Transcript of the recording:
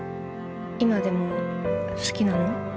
今でも好きなの？